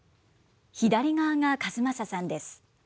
左側が和正さんです。